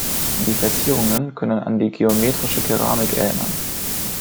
Die Verzierungen können an die geometrische Keramik erinnern.